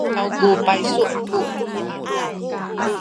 izaw ku paysu aku.